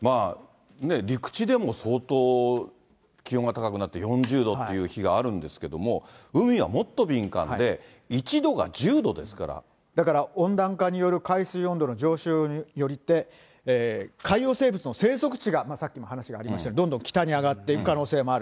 陸地でも相当気温が高くなって、４０度っていう日があるんですけども、海はもっと敏感で、だから温暖化による海水温度の上昇によって、海洋生物の生息地が、さっきも話がありましたように、どんどん北に上がっていく可能性もある。